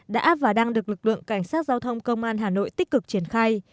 đã và đang được lực lượng cảnh sát giao thông công an hà nội tích cực triển khai